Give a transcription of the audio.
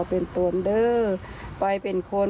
เป็นตัวเป็นคล้อน